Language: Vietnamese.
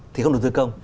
thì không đầu tư công